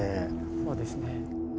そうですね。